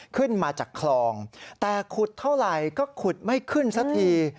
ขึ้นมาจากคลองแต่ขุดเท่าไหร่ก็ขุดไม่ขึ้นสักที